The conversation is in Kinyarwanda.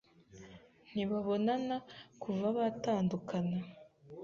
Ntibabonana kuva batandukana.